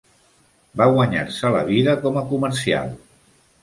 Va guanyar-se la vida com a comercial.